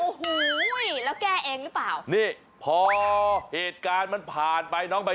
โอ้โหแล้วแก้เองหรือเปล่า